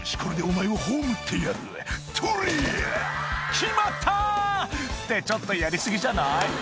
決まった！ってちょっとやり過ぎじゃない？